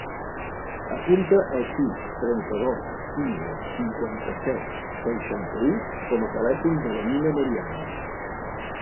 Apunta el sis, trenta-dos, quinze, cinquanta-set, seixanta-u com a telèfon de la Nina Moriano.